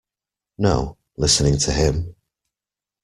No, listening to him.